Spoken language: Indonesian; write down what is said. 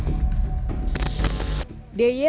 masaknya semua lho kok masak semua orang